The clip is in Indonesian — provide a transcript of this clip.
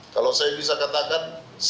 kalau saya bisa katakan